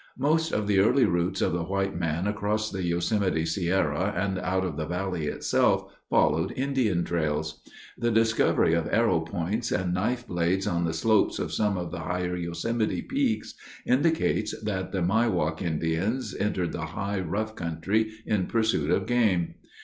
Most of the early routes of the white man across the Yosemite Sierra and out of the valley itself followed Indian trails. The discovery of arrow points and knife blades on the slopes of some of the higher Yosemite peaks indicates that the Miwok Indians entered the high, rough country in pursuit of game.